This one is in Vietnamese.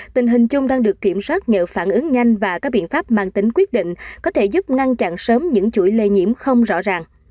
tình hình chung đang được kiểm soát nhờ phản ứng nhanh và các biện pháp mang tính quyết định có thể giúp ngăn chặn sớm những chuỗi lây nhiễm không rõ ràng